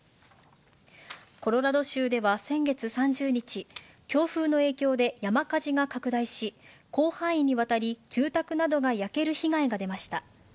コロラド州では先月３０日、強風の影響で山火事が拡大し、広範囲にわたり、住宅などが焼ける被害が出ました。